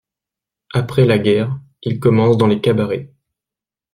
Après la guerre, il commence dans les cabarets.